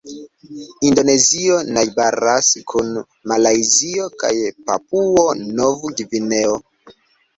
Indonezio najbaras kun Malajzio kaj Papuo-Nov-Gvineo.